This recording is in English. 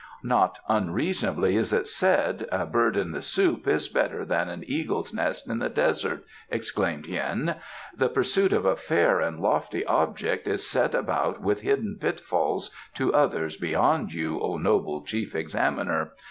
"Not unreasonably is it said, 'A bird in the soup is better than an eagle's nest in the desert,'" exclaimed Hien. "The pursuit of a fair and lofty object is set about with hidden pitfalls to others beyond you, O noble Chief Examiner!